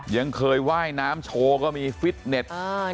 ยังเคยว่ายน้ำโชว์ก็มีฟิตเน็ต